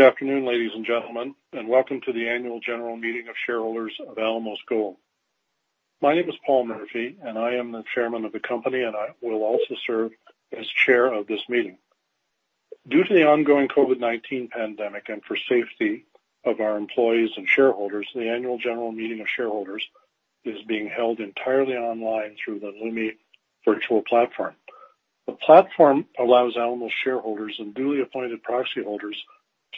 Good afternoon, ladies and gentlemen. Welcome to the Annual General Meeting of shareholders of Alamos Gold. My name is Paul Murphy, and I am the Chairman of the company, and I will also serve as Chair of this meeting. Due to the ongoing COVID-19 pandemic and for safety of our employees and shareholders, the Annual General Meeting of shareholders is being held entirely online through the Lumi virtual platform. The platform allows Alamos shareholders and duly-appointed proxy holders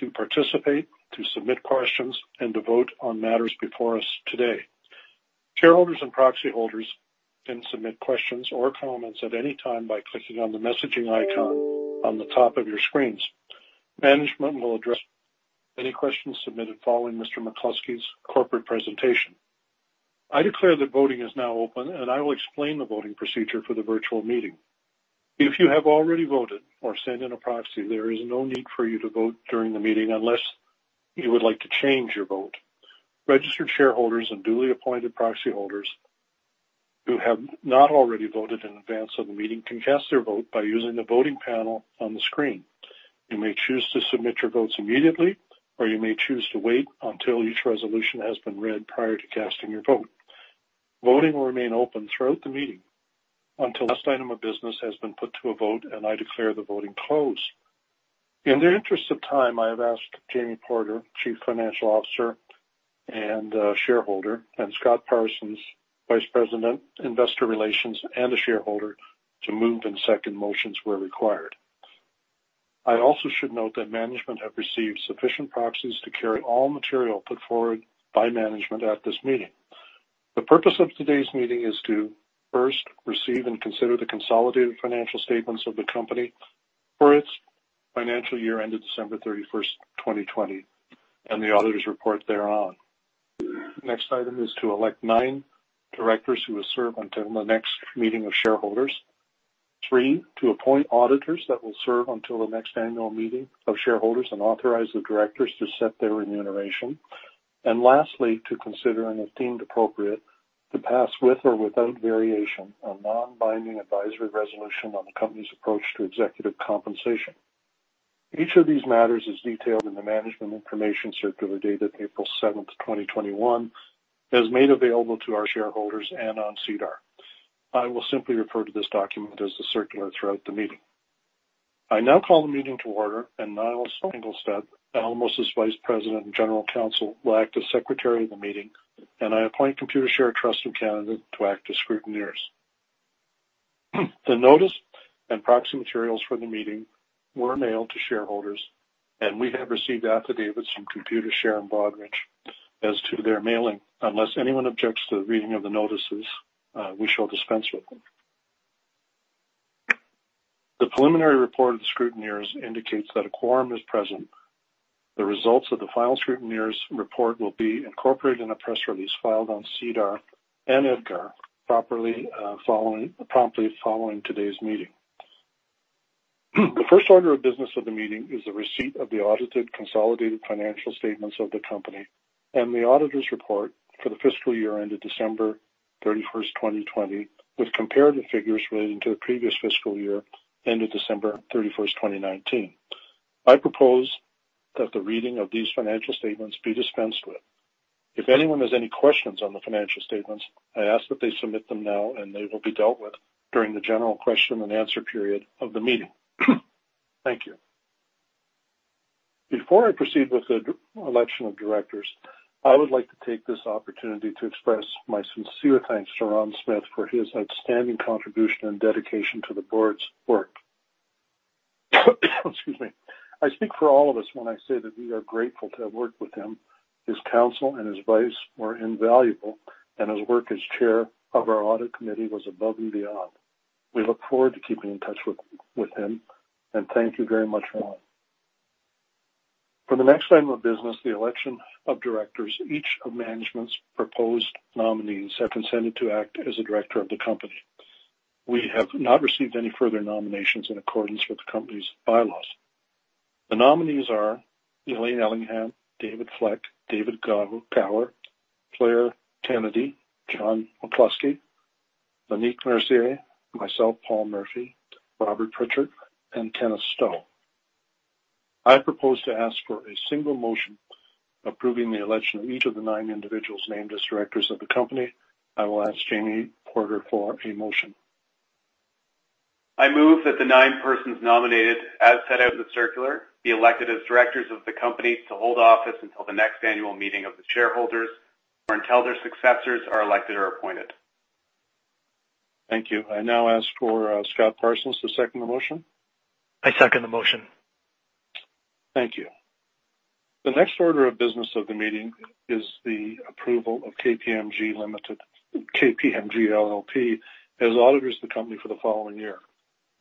to participate, to submit questions, and to vote on matters before us today. Shareholders and proxy holders can submit questions or comments at any time by clicking on the messaging icon on the top of your screens. Management will address any questions submitted following Mr. McCluskey's corporate presentation. I declare that voting is now open, and I will explain the voting procedure for the virtual meeting. If you have already voted or sent in a proxy, there is no need for you to vote during the meeting unless you would like to change your vote. Registered shareholders and duly-appointed proxy holders who have not already voted in advance of the meeting can cast their vote by using the voting panel on the screen. You may choose to submit your votes immediately, or you may choose to wait until each resolution has been read prior to casting your vote. Voting will remain open throughout the meeting until the last item of business has been put to a vote, and I declare the voting closed. In the interest of time, I have asked Jamie Porter, Chief Financial Officer and shareholder; and Scott Parsons, Vice President, Investor Relations, and a shareholder, to move and second motions where required. I also should note that management have received sufficient proxies to carry all material put forward by management at this meeting. The purpose of today's meeting is to first receive and consider the consolidated financial statements of the company for its financial year ended December 31st, 2020, and the auditor's report thereon. Next item is to elect nine Directors who will serve until the next meeting of shareholders. Three, to appoint auditors that will serve until the next annual meeting of shareholders and authorize the Directors to set their remuneration. Lastly, to consider and if deemed appropriate, to pass with or without variation, a non-binding advisory resolution on the company's approach to executive compensation. Each of these matters is detailed in the Management Information Circular dated April 7th, 2021, as made available to our shareholders and on SEDAR. I will simply refer to this document as the Circular throughout the meeting. I now call the meeting to order, and Nils Engelstad, Alamos' Vice President and General Counsel, will act as Secretary of the meeting, and I appoint Computershare of Canada to act as scrutineers. The notice and proxy materials for the meeting were mailed to shareholders. We have received affidavits from Computershare and Broadridge as to their mailing. Unless anyone objects to the reading of the notices, we shall dispense with them. The preliminary report of the scrutineers indicates that a quorum is present. The results of the final scrutineers' report will be incorporated in a press release filed on SEDAR and EDGAR promptly following today's meeting. The first order of business of the meeting is the receipt of the audited consolidated financial statements of the company and the auditor's report for the fiscal year ended December 31st, 2020, with comparative figures relating to the previous fiscal year ended December 31st, 2019. I propose that the reading of these financial statements be dispensed with. If anyone has any questions on the financial statements, I ask that they submit them now, and they will be dealt with during the general question-and-answer period of the meeting. Thank you. Before I proceed with the election of Directors, I would like to take this opportunity to express my sincere thanks to Ron Smith for his outstanding contribution and dedication to the board's work. I speak for all of us when I say that we are grateful to have worked with him. His counsel and his advice were invaluable, and his work as Chair of our Audit Committee was above and beyond. We look forward to keeping in touch with him, and thank you very much, Ron Smith. For the next item of business, the election of Directors, each of management's proposed nominees have consented to act as a Director of the company. We have not received any further nominations in accordance with the company's bylaws. The nominees are Elaine Ellingham, David Fleck, David Gower, Claire Kennedy, John McCluskey, Monique Mercier, myself, Paul Murphy, Robert Prichard, and Kenneth Stowe. I propose to ask for a single motion approving the election of each of the nine individuals named as Directors of the company. I will ask Jamie Porter for a motion. I move that the nine persons nominated as set out in the Circular be elected as Directors of the company to hold office until the next annual meeting of the shareholders or until their successors are elected or appointed. Thank you. I now ask for Scott Parsons to second the motion. I second the motion. Thank you. The next order of business of the meeting is the approval of KPMG LLP as auditors of the company for the following year.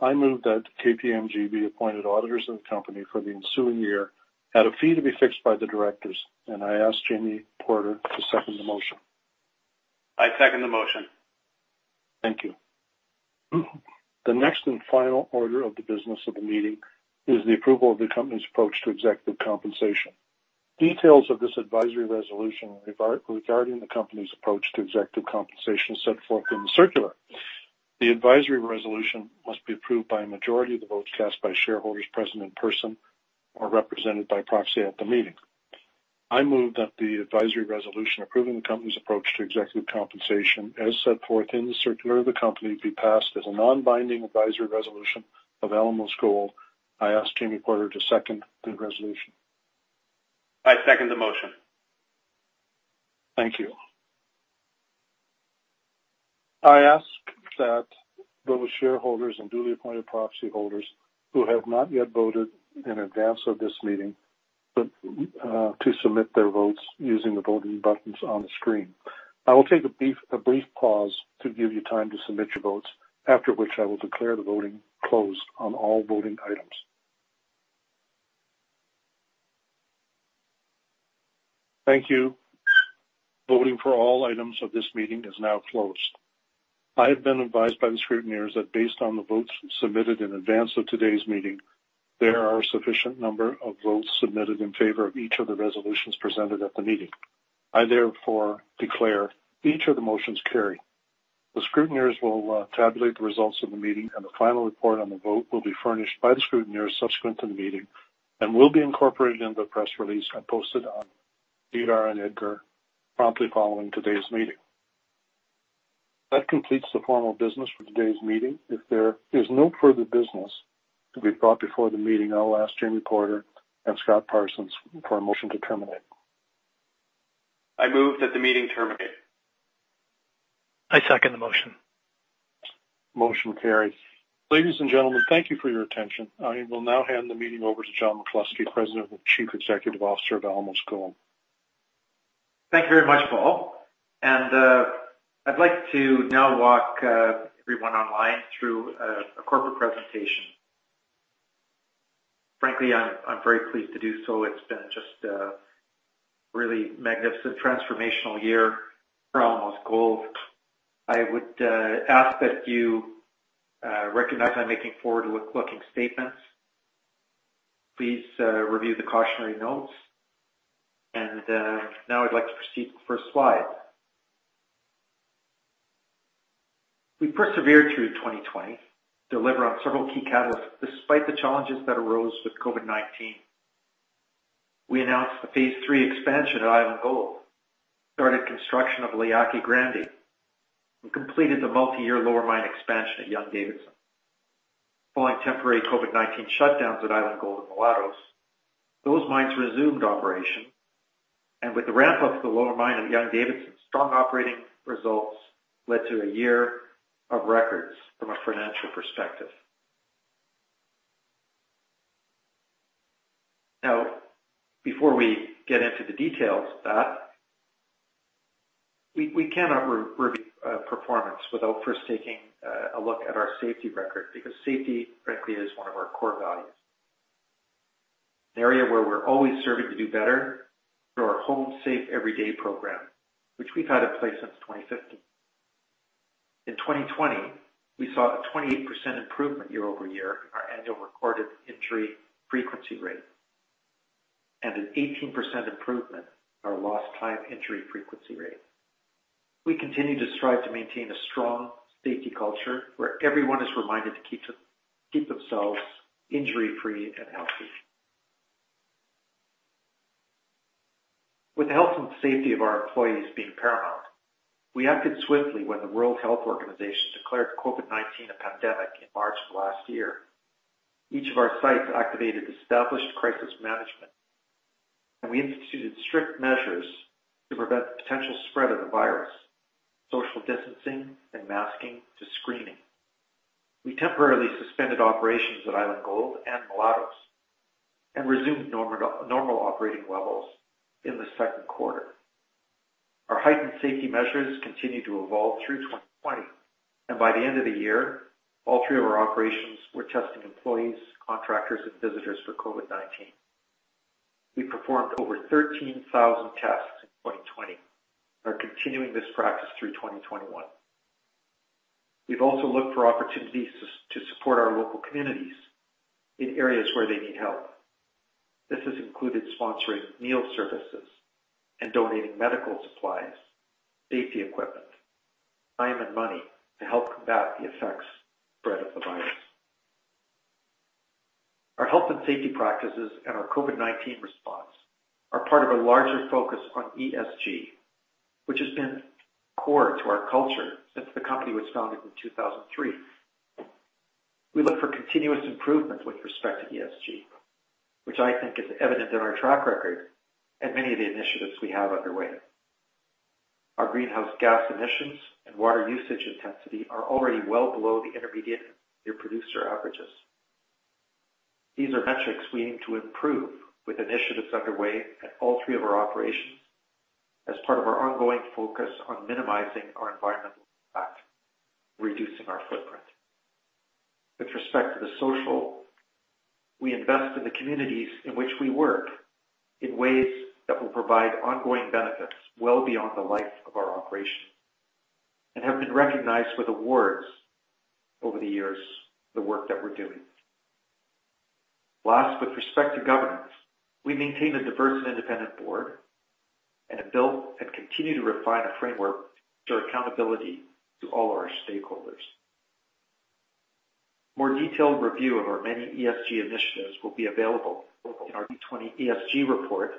I move that KPMG be appointed auditors of the company for the ensuing year at a fee to be fixed by the Directors, and I ask Jamie Porter to second the motion. I second the motion. Thank you. The next and final order of the business of the meeting is the approval of the company's approach to executive compensation. Details of this advisory resolution regarding the company's approach to executive compensation set forth in the Circular. The advisory resolution must be approved by a majority of the votes cast by shareholders present in person or represented by proxy at the meeting. I move that the advisory resolution approving the company's approach to executive compensation, as set forth in the Circular of the company, be passed as a non-binding advisory resolution of Alamos Gold. I ask Jamie Porter to second the resolution. I second the motion. Thank you. I ask that those shareholders and duly-appointed proxy holders who have not yet voted in advance of this meeting to submit their votes using the voting buttons on the screen. I will take a brief pause to give you time to submit your votes, after which I will declare the voting closed on all voting items. Thank you. Voting for all items of this meeting is now closed. I have been advised by the scrutineers that based on the votes submitted in advance of today's meeting, there are a sufficient number of votes submitted in favor of each of the resolutions presented at the meeting. I therefore declare each of the motions carried. The scrutineers will tabulate the results of the meeting, and the final report on the vote will be furnished by the scrutineers subsequent to the meeting and will be incorporated into the press release and posted on SEDAR and EDGAR promptly following today's meeting. That completes the formal business for today's meeting. If there is no further business to be brought before the meeting, I'll ask Jamie Porter and Scott Parsons for a motion to terminate. I move that the meeting terminate. I second the motion. Motion carries. Ladies and gentlemen, thank you for your attention. I will now hand the meeting over to John McCluskey, President and Chief Executive Officer of Alamos Gold. Thank you very much, Paul. I'd like to now walk everyone online through a corporate presentation. Frankly, I'm very pleased to do so. It's been just a really magnificent transformational year for Alamos Gold. I would ask that you recognize I'm making forward-looking statements. Please review the cautionary notes. Now, I'd like to proceed to the first slide. We persevered through 2020, delivered on several key catalysts despite the challenges that arose with COVID-19. We announced the Phase III Expansion at Island Gold, started construction of La Yaqui Grande, and completed the multi-year lower mine expansion at Young-Davidson. Following temporary COVID-19 shutdowns at Island Gold and Mulatos, those mines resumed operation, and with the ramp up to the lower mine at Young-Davidson, strong operating results led to a year of records from a financial perspective. Now, before we get into the details of that, we cannot review performance without first taking a look at our safety record because safety, frankly, is one of our core values. An area where we're always serving to do better through our Home Safe Every Day program, which we've had in place since 2015. In 2020, we saw a 28% improvement year-over-year in our annual recorded injury frequency rate, and an 18% improvement in our lost time injury frequency rate. We continue to strive to maintain a strong safety culture where everyone is reminded to keep themselves injury-free and healthy. With the health and safety of our employees being paramount, we acted swiftly when the World Health Organization declared COVID-19 a pandemic in March of last year. Each of our sites activated established crisis management, and we instituted strict measures to prevent the potential spread of the virus: social distancing and masking to screening. We temporarily suspended operations at Island Gold and Mulatos and resumed normal operating levels in the second quarter. Our heightened safety measures continued to evolve through 2020, and by the end of the year, all three of our operations were testing employees, contractors, and visitors for COVID-19. We performed over 13,000 tests in 2020 and are continuing this practice through 2021. We've also looked for opportunities to support our local communities in areas where they need help. This has included sponsoring meal services and donating medical supplies, safety equipment, time, and money to help combat the effects of the spread of the virus. Our health and safety practices and our COVID-19 response are part of a larger focus on ESG, which has been core to our culture since the company was founded in 2003. We look for continuous improvements with respect to ESG, which I think is evident in our track record and many of the initiatives we have underway. Our greenhouse gas emissions and water usage intensity are already well below the intermediate producer averages. These are metrics we aim to improve with initiatives underway at all three of our operations as part of our ongoing focus on minimizing our environmental impact, reducing our footprint. With respect to the social, we invest in the communities in which we work in ways that will provide ongoing benefits well beyond the life of our operation, and have been recognized with awards over the years for the work that we're doing. Last, with respect to governance, we maintain a diverse and independent board and have built and continue to refine a framework for accountability to all our stakeholders. More detailed review of our many ESG initiatives will be available in our 2020 ESG Report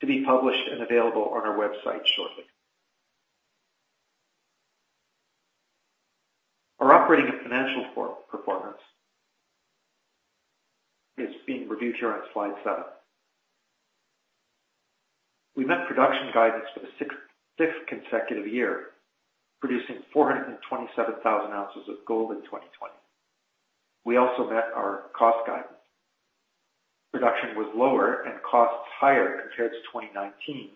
to be published and available on our website shortly. Our operating and financial performance is being reviewed here on slide seven. We met production guidance for the sixth consecutive year, producing 427,000 ounces of gold in 2020. We also met our cost guidance. Production was lower and costs higher compared to 2019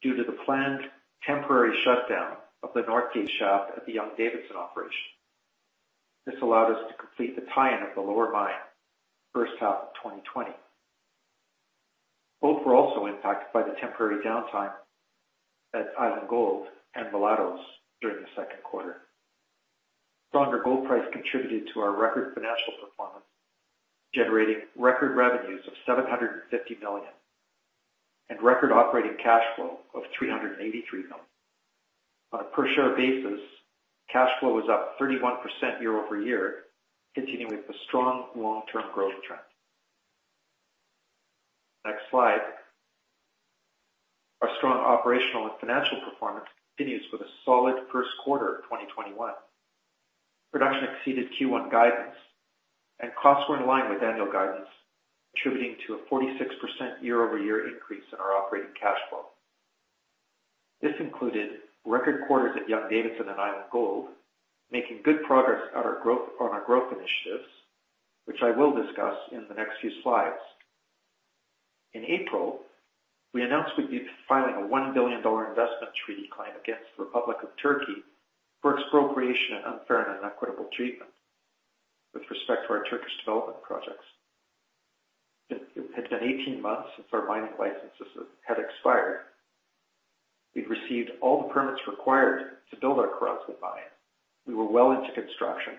due to the planned temporary shutdown of the Northgate shaft at the Young-Davidson operation. This allowed us to complete the tie-in of the lower mine in the first half of 2020. Both were also impacted by the temporary downtime at Island Gold and Mulatos during the second quarter. Stronger gold price contributed to our record financial performance, generating record revenues of $750 million and record operating cash flow of $383 million. On a per-share basis, cash flow was up 31% year-over-year, continuing with the strong long-term growth trend. Next slide. Our strong operational and financial performance continues with a solid first quarter of 2021. Production exceeded Q1 guidance and costs were in line with annual guidance, contributing to a 46% year-over-year increase in our operating cash flow. This included record quarters at Young-Davidson and Island Gold, making good progress on our growth initiatives, which I will discuss in the next few slides. In April, we announced we'd be filing a $1 billion Investment Treaty claim against the Republic of Turkey for expropriation and unfair and inequitable treatment with respect to our Turkish development projects. It's been 18 months since our mining licenses had expired. We'd received all the permits required to build our Kirazlı mine. We were well into construction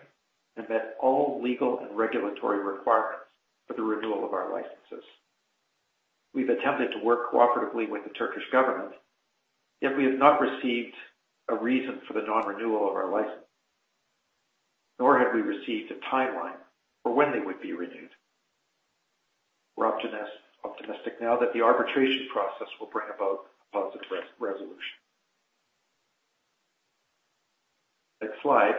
and met all legal and regulatory requirements for the renewal of our licenses. We've attempted to work cooperatively with the Turkish government, yet we have not received a reason for the non-renewal of our license, nor have we received a timeline for when they would be renewed. We're optimistic now that the arbitration process will bring about a positive resolution. Next slide.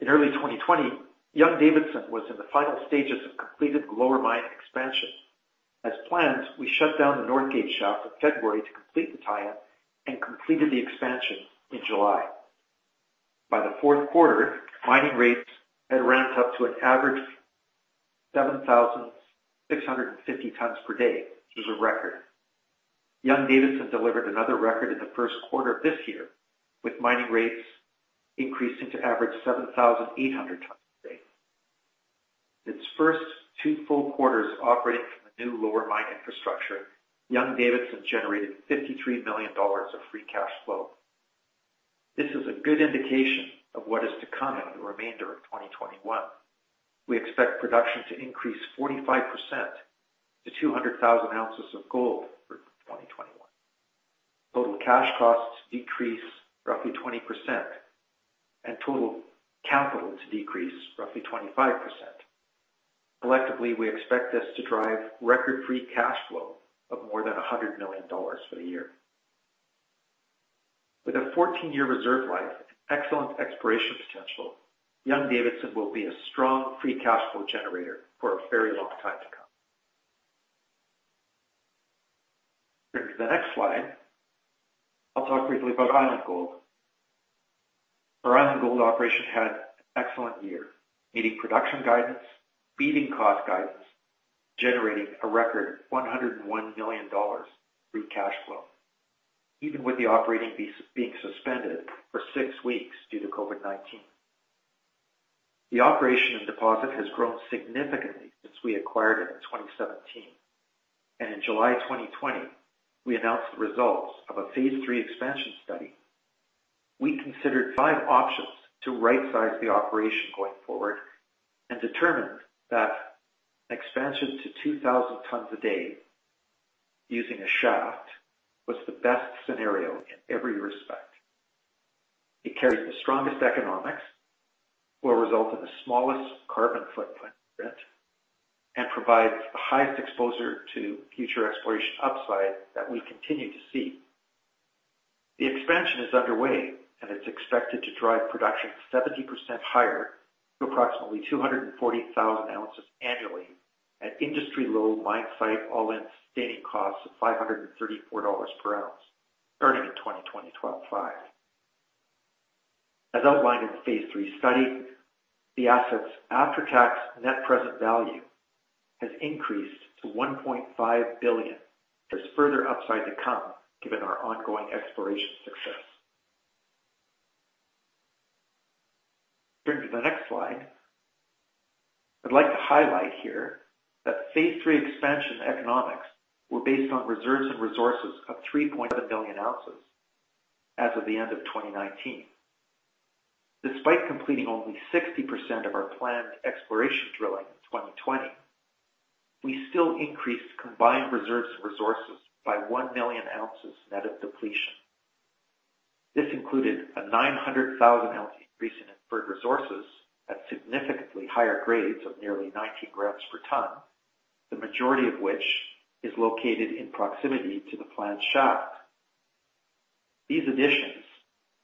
In early 2020, Young-Davidson was in the final stages of completing the lower mine expansion. As planned, we shut down the Northgate shaft in February to complete the tie-in and completed the expansion in July. By the fourth quarter, mining rates had ramped up to an average 7,650 tons/day, which is a record. Young-Davidson delivered another record in the first quarter of this year, with mining rates increasing to average 7,800 tons/day. Its first two full quarters operating from the new lower mine infrastructure, Young-Davidson generated $53 million of free cash flow. This is a good indication of what is to come in the remainder of 2021. We expect production to increase 45% to 200,000 oz of gold for 2021, total cash costs to decrease roughly 20%, and total capital to decrease roughly 25%. Collectively, we expect this to drive record free cash flow of more than $100 million for the year. With a 14-year reserve life and excellent exploration potential, Young-Davidson will be a strong free cash flow generator for a very long time to come. Turning to the next slide, I'll talk briefly about Island Gold. Our Island Gold operation had an excellent year, meeting production guidance, beating cost guidance, and generating a record $101 million free cash flow, even with the operating being suspended for six weeks due to COVID-19. The operation and deposit has grown significantly since we acquired it in 2017. In July 2020, we announced the results of a Phase III Expansion study. We considered five options to right-size the operation going forward and determined that an expansion to 2,000 tons/day using a shaft was the best scenario in every respect. It carries the strongest economics, will result in the smallest carbon footprint, and provides the highest exposure to future exploration upside that we continue to see. The expansion is underway and is expected to drive production 70% higher to approximately 240,000 oz annually at industry-low mine site all-in sustaining costs of $534/oz starting in 2025. As outlined in Phase III study, the asset's after-tax net present value has increased to $1.5 billion. There's further upside to come given our ongoing exploration success. Turning to the next slide. I'd like to highlight here that Phase III Expansion economics were based on reserves and resources of 3.7 million oz as of the end of 2019. Despite completing only 60% of our planned exploration drilling in 2020, we still increased combined reserves and resources by 1 million oz net of depletion. This included a 900,000 oz increase in inferred resources at significantly higher grades of nearly 90 g/ton, the majority of which is located in proximity to the planned shaft. These additions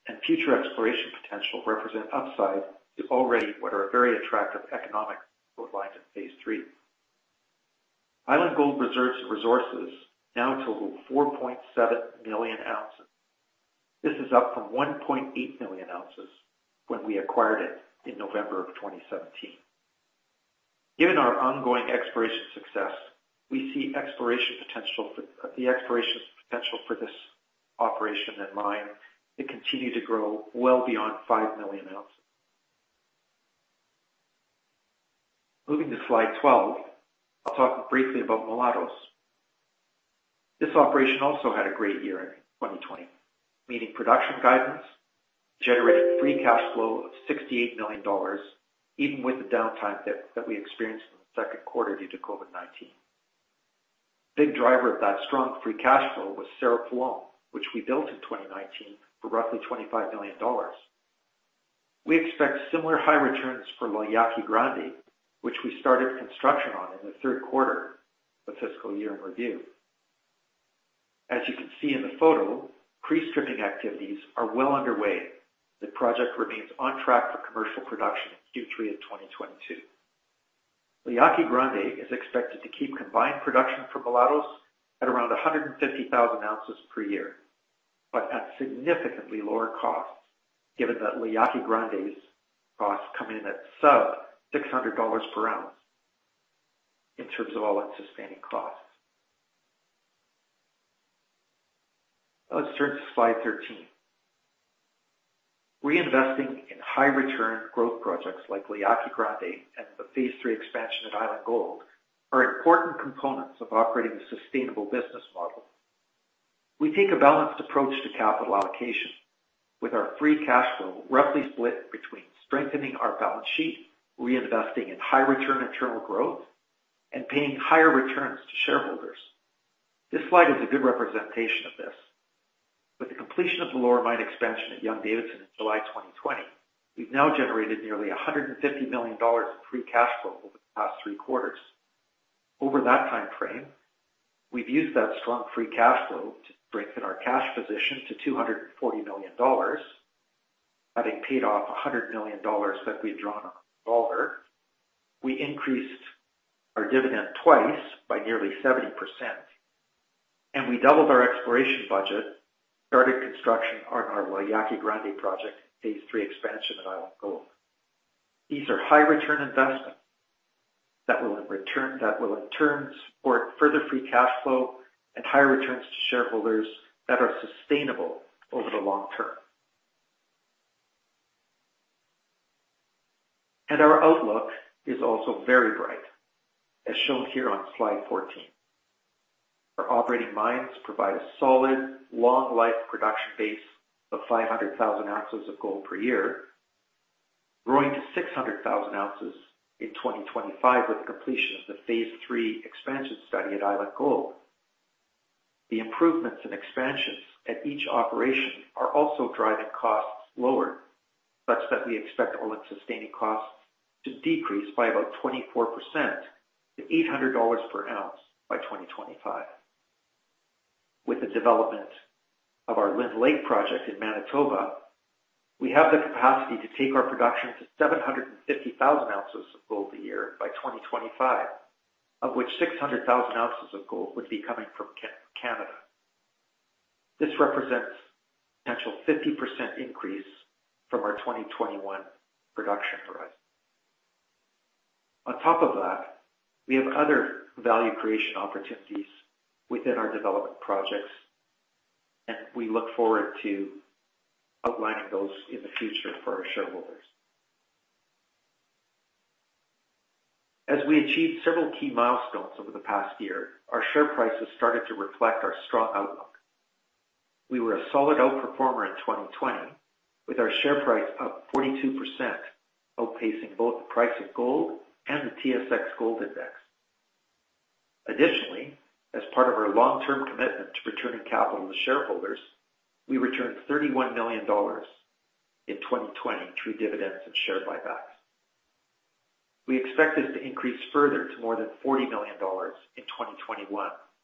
and future exploration potential represent upside to already what are very attractive economics outlined in Phase III. Island Gold reserves and resources now total 4.7 million oz. This is up from 1.8 million oz when we acquired it in November of 2017. Given our ongoing exploration success, we see the exploration potential for this operation and mine to continue to grow well beyond 5 million oz. Moving to slide 12, I'll talk briefly about Mulatos. This operation also had a great year in 2020, meeting production guidance, generating free cash flow of $68 million, even with the downtime dip that we experienced in the second quarter due to COVID-19. A big driver of that strong free cash flow was Cerro Pelon, which we built in 2019 for roughly $25 million. We expect similar high returns for La Yaqui Grande, which we started construction on in the third quarter of the fiscal year in review. As you can see in the photo, pre-stripping activities are well underway. The project remains on track for commercial production in Q3 of 2022. La Yaqui Grande is expected to keep combined production for Mulatos at around 150,000 oz per year, but at significantly lower costs, given that La Yaqui Grande's costs come in at sub-$600/oz in terms of all-in sustaining costs. Let's turn to slide 13. Reinvesting in high-return growth projects like La Yaqui Grande and the Phase III Expansion of Island Gold are important components of operating a sustainable business model. We take a balanced approach to capital allocation, with our free cash flow roughly split between strengthening our balance sheet, reinvesting in high-return internal growth, and paying higher returns to shareholders. This slide is a good representation of this. With the completion of the lower mine expansion at Young-Davidson in July 2020, we've now generated nearly $150 million in free cash flow over the past three quarters. Over that timeframe, we've used that strong free cash flow to strengthen our cash position to $240 million, having paid off $100 million that we'd drawn on our revolver. We increased our dividend 2x by nearly 70%, and we doubled our exploration budget and started construction on our La Yaqui Grande project and Phase III Expansion of Island Gold. These are high-return investments that will in turn support further free cash flow and higher returns to shareholders that are sustainable over the long term. Our outlook is also very bright, as shown here on slide 14. Our operating mines provide a solid, long-life production base of 500,000 oz of gold per year, growing to 600,000 oz in 2025 with completion of the Phase III Expansion study at Island Gold. The improvements and expansions at each operation are also driving costs lower, such that we expect all-in sustaining costs to decrease by about 24% to $800/oz by 2025. With the development of our Lynn Lake project in Manitoba, we have the capacity to take our production to 750,000 oz of gold a year by 2025, of which 600,000 oz of gold would be coming from Canada. This represents a potential 50% increase from our 2021 production horizon. On top of that, we have other value creation opportunities within our development projects, and we look forward to outlining those in the future for our shareholders. As we achieved several key milestones over the past year, our share price has started to reflect our strong outlook. We were a solid outperformer in 2020, with our share price up 42%, outpacing both the price of gold and the TSX Gold Index. Additionally, as part of our long-term commitment to returning capital to shareholders, we returned $31 million in 2020 through dividends and share buybacks. We expect this to increase further to more than $40 million in 2021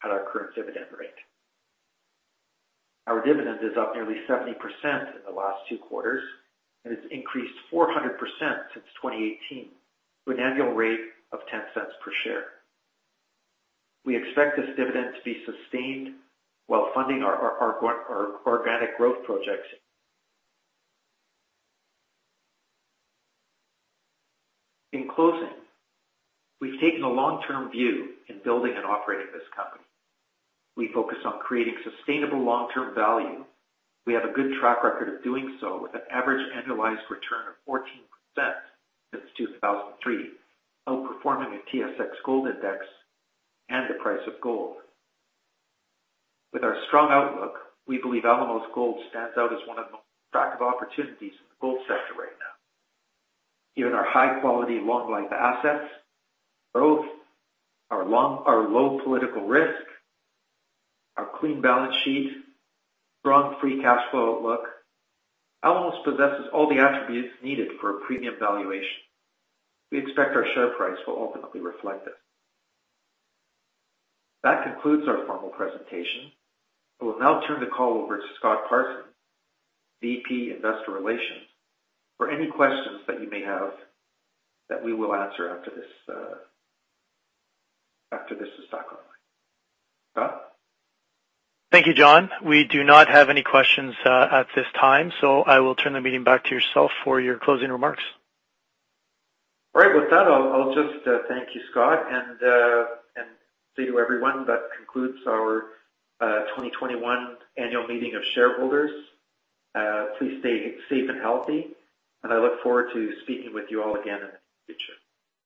at our current dividend rate. Our dividend is up nearly 70% in the last two quarters, and it's increased 400% since 2018 with an annual rate of $0.10 per share. We expect this dividend to be sustained while funding our organic growth projects. In closing, we've taken a long-term view in building and operating this company. We focus on creating sustainable long-term value. We have a good track record of doing so with an average annualized return of 14% since 2003, outperforming the TSX Gold Index and the price of gold. With our strong outlook, we believe Alamos Gold stands out as one of the most attractive opportunities in the gold sector right now. Given our high-quality, long-life assets, growth, our low political risk, our clean balance sheet, strong free cash flow outlook, Alamos possesses all the attributes needed for a premium valuation. We expect our share price will ultimately reflect this. That concludes our formal presentation. I will now turn the call over to Scott Parsons, VP, Investor Relations, for any questions that you may have that we will answer after this is done. Scott? Thank you, John. We do not have any questions at this time, so I will turn the meeting back to yourself for your closing remarks. With that, I'll just thank you, Scott, and thank you, everyone. That concludes our 2021 annual meeting of shareholders. Please stay safe and healthy, and I look forward to speaking with you all again in the future.